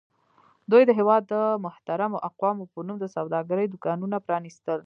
دوی د هېواد د محترمو اقوامو په نوم د سوداګرۍ دوکانونه پرانیستل.